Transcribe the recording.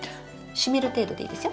湿る程度でいいですよ。